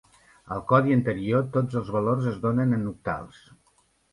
Al codi anterior, tots els valors es donen en octals.